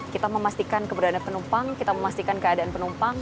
kita memastikan keberadaan penumpang kita memastikan keadaan penumpang